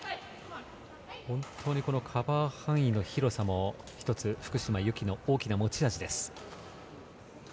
本当にカバー範囲の広さも１つ、福島由紀の大きな持ち味です。